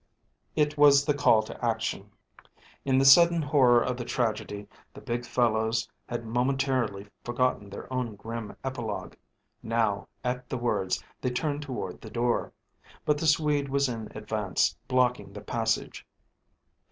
It was the call to action. In the sudden horror of the tragedy the big fellows had momentarily forgotten their own grim epilogue. Now, at the words, they turned toward the door. But the Swede was in advance, blocking the passage.